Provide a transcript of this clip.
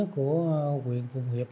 của quyền phụng hiệp